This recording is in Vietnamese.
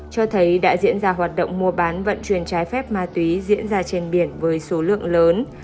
cho thấy đã diễn ra hoạt động mua bán vận chuyển trái phép ma túy diễn ra trên biển với số lượng lớn